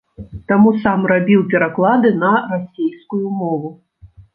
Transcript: Таму сам рабіў пераклады на расейскую мову.